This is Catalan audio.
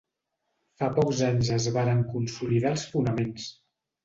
Fa pocs anys es varen consolidar els fonaments.